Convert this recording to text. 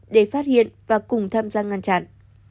để phát hiện và cùng tham gia ngăn chặn